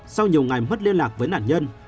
sau nhiều ngày mất liên lạc với nạn nhân